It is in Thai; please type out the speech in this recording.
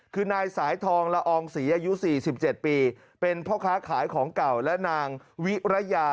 คือนายสายทองละอองศรีอายุ๔๗ปีเป็นพ่อค้าขายของเก่าและนางวิรยา